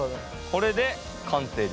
これで完成です。